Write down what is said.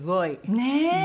ねえ。